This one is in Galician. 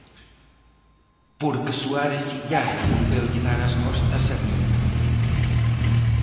Porque Suárez Illana volveulle dar as costas a Bildu.